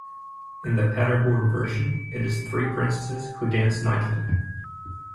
In the Paderborn version, it is three princesses who dance nightly.